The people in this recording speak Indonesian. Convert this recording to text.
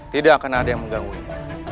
tidak akan ada yang mengganggunya